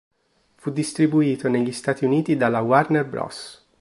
Fu distribuito negli Stati Uniti dalla Warner Bros.